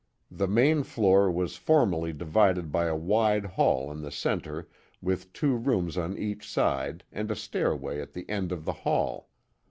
The main floor was formerly divided by a wide hall in the centre with two rooms on each side and a stairwaj' at the end of the hall.